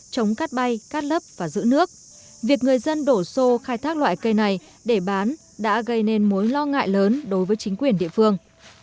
chống cắt bay cắt lấp và giữ nước việc người dân đổ xô khai thác loại cây này để bán đã gây nên mối lo ngại lớn đối với chính quyền địa phương